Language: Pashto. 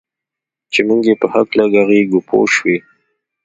چې موږ یې په هکله ږغېږو پوه شوې!.